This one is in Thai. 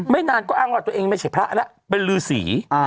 นานก็อ้างว่าตัวเองไม่ใช่พระแล้วเป็นลือสี